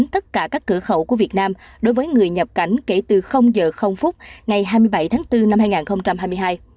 tất cả các cửa khẩu của việt nam đối với người nhập cảnh kể từ giờ phút ngày hai mươi bảy tháng bốn năm hai nghìn hai mươi hai